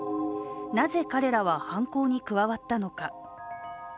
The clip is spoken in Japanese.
なぜ彼らは犯行に加わったのか。